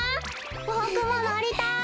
ボクものりたい！